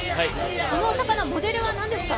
このお魚、モデルは何ですか？